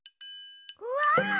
うわ！